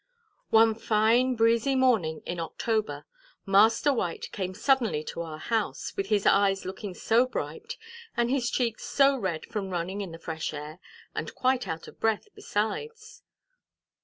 One fine, breezy morning in October, Master White came suddenly to our house, with his eyes looking so bright, and his cheeks so red from running in the fresh air, and quite out of breath besides.